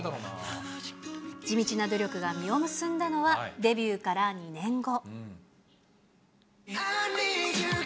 地道な努力が実を結んだのは、デビューから２年後。